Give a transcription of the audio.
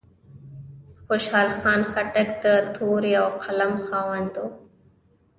خوشحال خان خټک د تورې او قلم خاوند و.